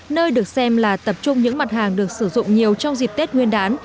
nơi được xem là tập trung những mặt hàng được sử dụng nhiều trong dịp tết nguyên đán